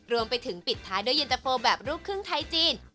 รวมไปถึงปิดท้ายยันตะโฟแบบรูปครึ่งไทยจีน